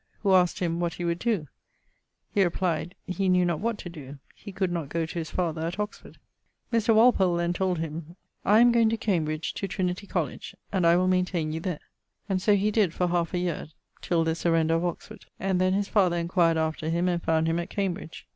who asked him 'What he would doe?' He replyed he 'knew not what to doe; he could not goe to his father at Oxford.' Mr. Walpole then told him 'I am goeing to Cambridge to Trinity College and I will maintaine you there'; and so he did for halfe a yeare till the surrender of Oxford; and then his father enquired after him and found him at Cambridge.